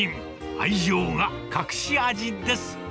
愛情が隠し味です。